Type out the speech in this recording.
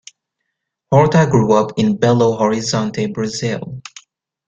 Horta grew up in Belo Horizonte, Brazil.